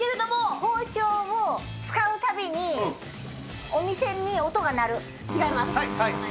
包丁を使うたびに、お店に音違います。